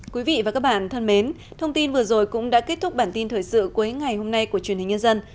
quý vị và các bạn thân mến thông tin vừa rồi cũng đã kết thúc bản tin thời sự cuối ngày hôm nay của truyền hình nhân dân